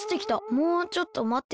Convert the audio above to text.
「もうちょっとまって。